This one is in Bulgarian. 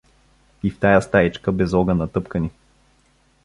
… И в тая стаичка без огън натъпкани.